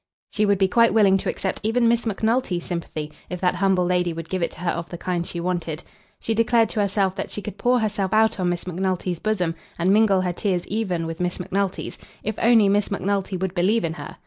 She would be quite willing to accept even Miss Macnulty's sympathy, if that humble lady would give it to her of the kind she wanted. She declared to herself that she could pour herself out on Miss Macnulty's bosom, and mingle her tears even with Miss Macnulty's, if only Miss Macnulty would believe in her.